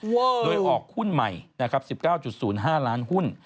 โว้ยโดยออกหุ้นใหม่๑๙๐๕ล้านหุ้น